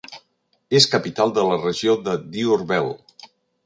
És capital de la regió de Diourbel.